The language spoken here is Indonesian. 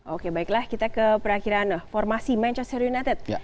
oke baiklah kita ke perakhiran formasi manchester united